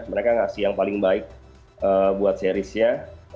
mereka ngasih yang paling baik buat seriesnya